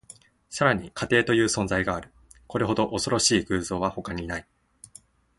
さらに、家庭という存在がある。これほど恐ろしい偶像は他にない。